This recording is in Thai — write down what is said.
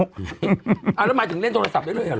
แล้วหมายถึงเล่นโทรศัพท์ได้เลยเหรอ